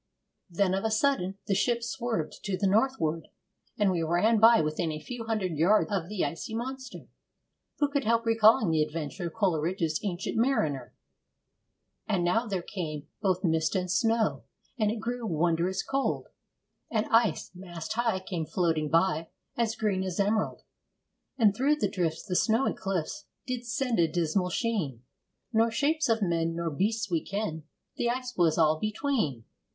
Then, of a sudden, the ship swerved to the north ward, and we ran by within a few hundred yards of the icy monster. Who could help recalling the adventure of Coleridge's 'Ancient Mariner'? And now there came both mist and snow, And it grew wondrous cold, And ice, mast high, came floating by As green as emerald. And through the drifts, the snowy clifts Did send a dismal sheen, Nor shapes of men, nor beasts we ken. The ice was all between.